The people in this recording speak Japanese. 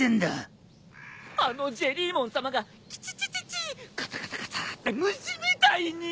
あのジェリーモンさまが「キチチチチ」「カサカサカサ」って虫みたいに！